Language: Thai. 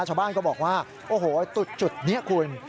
ชาวบ้านก็บอกว่าโอ้โหจุดนี้คุณ